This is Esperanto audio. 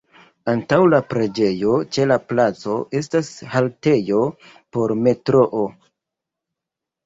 Antaŭ la preĝejo ĉe la placo estas haltejo por metroo.